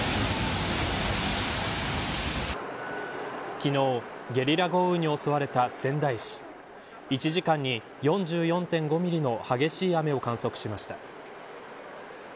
昨日ゲリラ豪雨に襲われた仙台市１時間に４４．５ミリの激しい雨を観測しました。